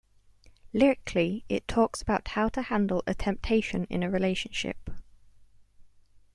Lyrically, it that talks about how to handle a temptation in a relationship.